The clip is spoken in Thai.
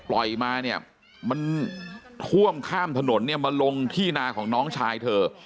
ปล่อยมาเนี่ยมันท่วมข้ามถนนเนี่ยมาลงที่นาของน้องชายเธอ